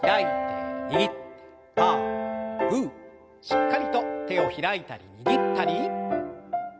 しっかりと手を開いたり握ったり。